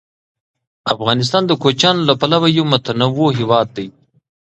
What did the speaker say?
افغانستان د کوچیانو له پلوه یو متنوع هېواد دی.